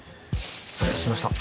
お待たせしました。